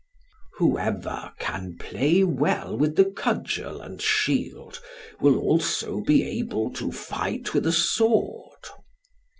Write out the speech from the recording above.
"Whoever can play well with the cudgel and shield, will also be able to fight with a sword."